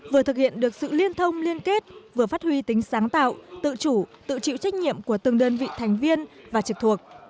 vừa thực hiện được sự liên thông liên kết vừa phát huy tính sáng tạo tự chủ tự chịu trách nhiệm của từng đơn vị thành viên và trực thuộc